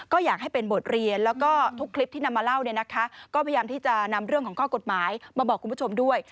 ก็อยากให้เป็นบทเรียนแล้วก็ทุกคลิปที่นำมาเล่าเนี่ยนะคะก็พยายามที่จะนำเรื่องของข้อกฎหมายมาบอกคุณผู้ชมด้วย